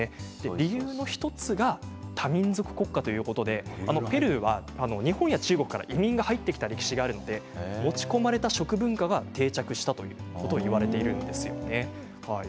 理由の１つが多民族国家ということで、ペルーは日本や中国から移民が入ってきた歴史があるので持ち込まれた食文化が定着したといわれているんですよね。